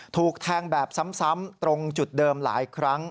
ถูกแทงแบบซ้ำตรงจุดเดิมหลายครั้ง